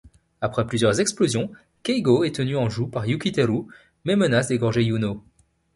Après plusieurs explosions, Keigo est tenu en joue par Yukiteru, mais menace d’égorger Yuno.